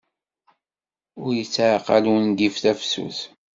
Ur ittaɛqal ungif tafsut.